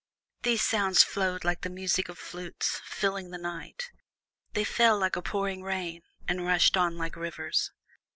These sounds flowed like the music of flutes, filling the night; they fell like a pouring rain, and rushed on like rivers.